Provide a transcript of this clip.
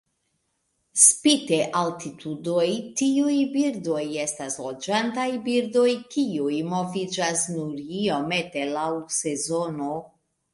Spite altitudoj tiuj birdoj estas loĝantaj birdoj kiuj moviĝas nur iomete laŭ sezono.